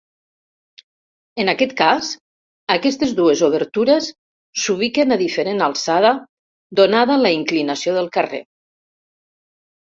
En aquest cas, aquestes dues obertures s'ubiquen a diferent alçada donada la inclinació del carrer.